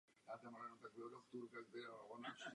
Zdánlivě uzavřený případ tím ale pro fakultu neskončil.